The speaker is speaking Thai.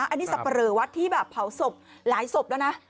อันนี้สับปะเหลอวัดที่แบบเผาศพหลายศพแล้วนะ